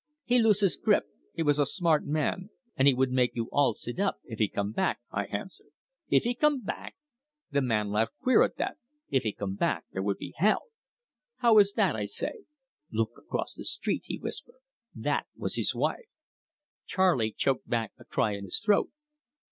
'He loose his grip.' 'He was a smart man, an' he would make you all sit up, if he come back,' I hanswer. 'If he come back!' The man laugh queer at that. 'If he comeback, there would be hell.' 'How is that?' I say. 'Look across the street,' he whisper. 'That was his wife.'" Charley choked back a cry in his throat.